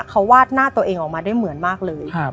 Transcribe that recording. เขาวาดหน้าตัวเองออกมาได้เหมือนมากเลย